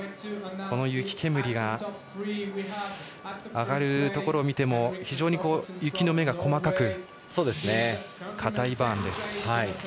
この雪煙が上がるところを見ても非常に雪の目が細かくかたいバーンです。